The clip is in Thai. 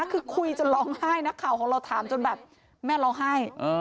คือคุยจนร้องไห้นักข่าวของเราถามจนแบบแม่ร้องไห้